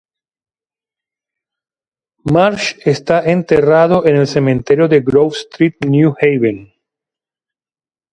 Marsh está enterrado en el Cementerio de Grove Street, New Haven.